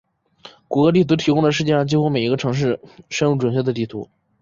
谷歌地图提供了世界上几乎每一个城市深入准确的地图。